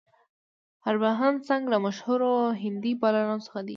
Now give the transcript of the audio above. هربهن سنګ له مشهورو هندي بالرانو څخه دئ.